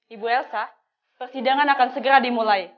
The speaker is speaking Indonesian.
ibu elsa persidangan akan segera dimulai